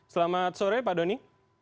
selamat sore pak doni